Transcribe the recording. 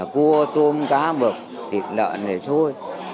cua tôm cá mực thịt lợn đầy xôi